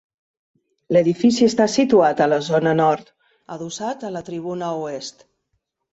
L'edifici està situat a la zona nord, adossat a la tribuna oest.